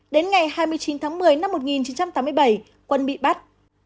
đến ngày hai mươi chín tháng một mươi năm một nghìn chín trăm tám mươi bảy quân bị bắt